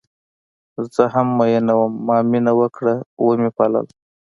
زه هم میینه وم ما مینه وکړه وه مې پالل